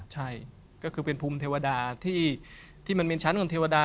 ใช่ก็คือเป็นภูมิเทวดาที่มันเป็นชั้นของเทวดา